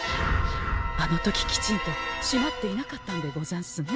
あの時きちんと閉まっていなかったんでござんすね。